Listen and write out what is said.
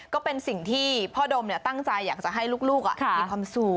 ก็เป็นสิ่งที่พ่อดมตั้งใจอยากจะให้ลูกมีความสุข